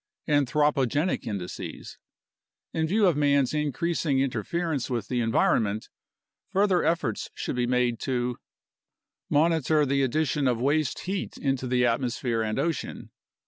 Anthropogenic Indices In view of man's increasing interference with the environment, further efforts should be made to Monitor the addition of waste heat into the atmosphere and ocean.